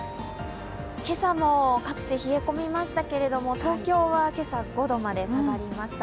今朝も各地冷え込みましたけれども、東京は今朝、５度まで下がりました。